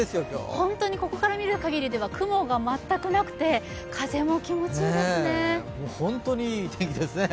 本当にここから見るかぎりでは、雲が全くなくて風も気持ちいいですね。